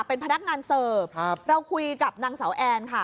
เป็นพนักงานเสิร์ฟครับเราคุยกับนางสาวแอนค่ะ